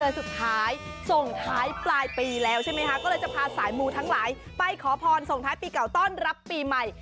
สุดท้ายส่งท้ายปลายปีแล้วใช่ไหมคะก็เลยจะพาสายมูทั้งหลายไปขอพรส่งท้ายปีเก่าต้อนรับปีใหม่